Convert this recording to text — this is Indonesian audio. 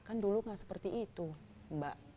kan dulu nggak seperti itu mbak